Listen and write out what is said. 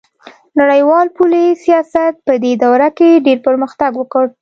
نړیوال پولي سیاست پدې دوره کې ډیر پرمختګ وکړ